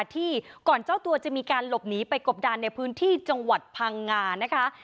ที่ก่อนเจ้าตัวจะมีการหลบหนีไปกบดานในพื้นที่จังหวัดพังงานะคะ